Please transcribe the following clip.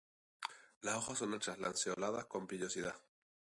Las hojas son anchas, lanceoladas con vellosidad.